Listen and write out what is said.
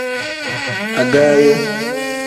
Agaayo.